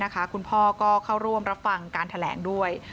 คุณพ่อก็เข้าร่วมรับฟังการแถลงด้วย